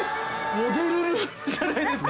モデルルームじゃないですか。